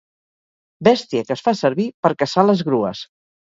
Bèstia que es fa servir per caçar les grues.